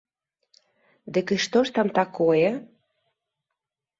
Дык і што ж там такое?